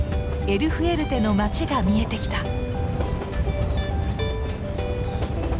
エル・フエルテの街が見えてきた！